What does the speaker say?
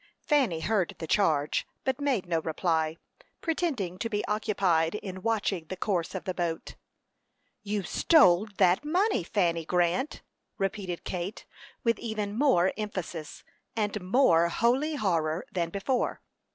Fanny heard the charge, but made no reply, pretending to be occupied in watching the course of the boat. "You stole that money, Fanny Grant!" repeated Kate, with even more emphasis, and more holy horror than before.